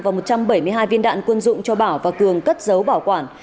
và một trăm bảy mươi hai viên đạn quân dụng cho bảo và cường cất giấu bảo quản